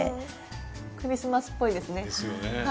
クリスマスっぽいですね。ですよね。